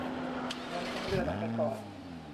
ยังต้องเลื่อนออกไปก่อน